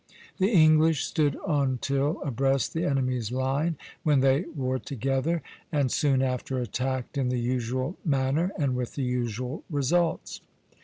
The English stood on till abreast the enemy's line (a, b), when they wore together, and soon after attacked in the usual manner, and with the usual results (C).